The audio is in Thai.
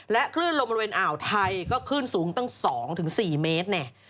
คลื่นลมบริเวณอ่าวไทยก็คลื่นสูงตั้ง๒๔เมตรเนี่ย